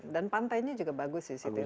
dan pantainya juga bagus di situ ya